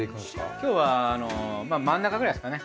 今日は真ん中くらいですかね。